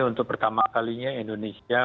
untuk pertama kalinya indonesia